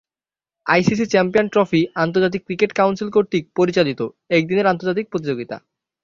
ICC Champions Trophy আন্তর্জাতিক Cricket Council কর্তৃক পরিচালিত একদিনের আন্তর্জাতিক প্রতিযোগিতা।